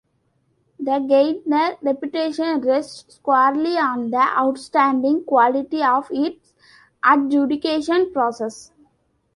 The Gairdner reputation rests squarely on the outstanding quality of its adjudication process.